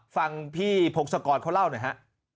ฟังพี่พงศกรเขาเล่าหน่อยฮะ